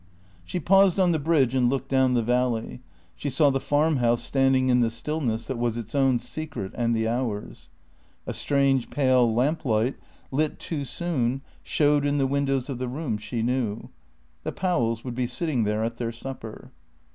She paused on the bridge, and looked down the valley. She saw the farm house standing in the stillness that was its own secret and the hour's. A strange, pale lamplight, lit too soon, showed in the windows of the room she knew. The Powells would be sitting there at their supper.